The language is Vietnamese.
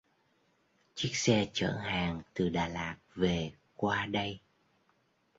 Chiếc xe chở hàng từ Đà Lạt về qua đây